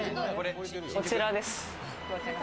こちらです。